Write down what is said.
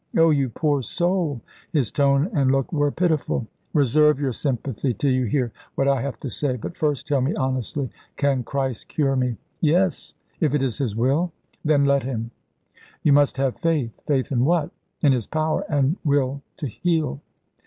"Oh, you poor soul!" His tone and look were pitiful. "Reserve your sympathy till you hear what I have to say. But first tell me honestly, can Christ cure me?" "Yes if it is His Will." "Then let Him." "You must have Faith." "Faith in what?" "In His power and Will to heal."